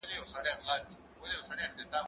کېدای سي ږغ کم وي؟